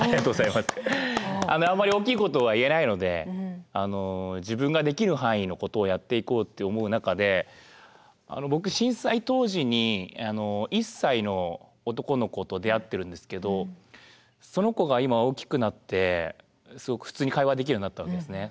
あんまり大きいことは言えないので自分ができる範囲のことをやっていこうと思う中で僕震災当時に１歳の男の子と出会ってるんですけどその子が今大きくなって普通に会話できるようになったんですね。